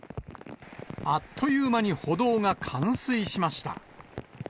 あっという間に歩道が冠水しました。